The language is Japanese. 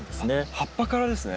葉っぱからですね。